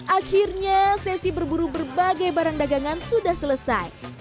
akhirnya sesi berburu berbagai barang dagangan sudah selesai